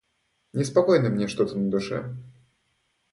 Неспокойно мне что-то на душе.